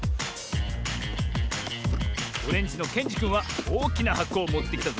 オレンジのけんじくんはおおきなはこをもってきたぞ。